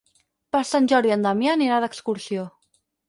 Per Sant Jordi en Damià anirà d'excursió.